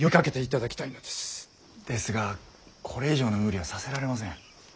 ですがこれ以上の無理はさせられません。